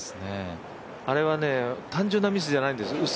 あれは単純なミスじゃないんですよ。